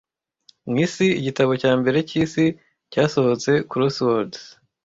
Mu isi igitabo cya mbere cyisi cyasohotse Crosswords